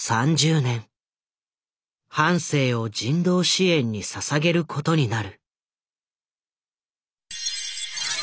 半生を人道支援にささげることになる。